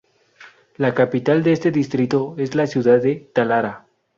La capital de este distrito es la ciudad de Talara.